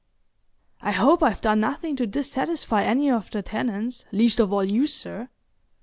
"I hope I've done nothing to dissatisfy any of the tenants, least of all you, sir."